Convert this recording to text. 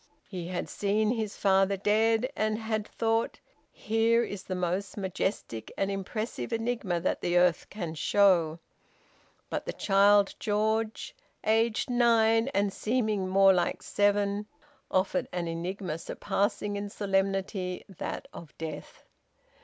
He had seen his father dead, and had thought: "Here is the most majestic and impressive enigma that the earth can show!" But the child George aged nine and seeming more like seven offered an enigma surpassing in solemnity that of death.